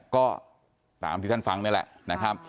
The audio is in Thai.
ก็ตามที่ท่านฟังนี่แหละ